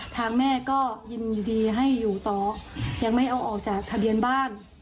ทางแม่ก็ยินดีให้อยู่ต่อยังไม่เอาออกจากทะเบียนบ้าน